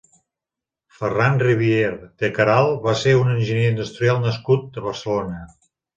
Ferran Rivière de Caralt va ser un enginyer industrial nascut a Barcelona.